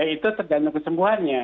itu tergantung kesembuhannya